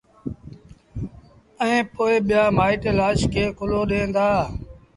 ائيٚݩ پو ٻيآ مآئيٚٽ لآش کي ڪُلهو ڏيݩ دآ